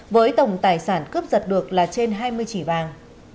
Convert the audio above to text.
với tổng tài sản cướp giật được là trên hai mươi chỉ vàng